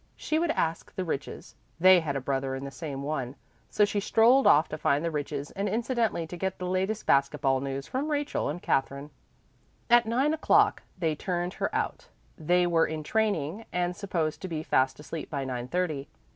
She would ask the Riches; they had a brother in the same one. So she strolled off to find the Riches, and incidentally to get the latest basket ball news from Rachel and Katherine. At nine o'clock they turned her out; they were in training and supposed to be fast asleep by nine thirty.